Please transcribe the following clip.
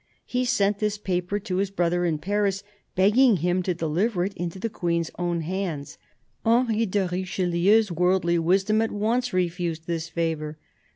He sent this paper to his brother in Paris, begging him to deliver it into the Queen's own hands. Henry de Richelieu's worldly wisdom at once refused this favour.